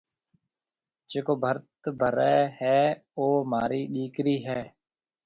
جڪو ڀرت ڀري هيَ او مهارِي ڏِيڪرِي هيَ۔